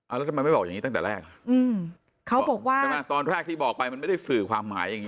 แล้วทำไมไม่บอกอย่างนี้ตั้งแต่แรกเขาบอกว่าใช่ไหมตอนแรกที่บอกไปมันไม่ได้สื่อความหมายอย่างนี้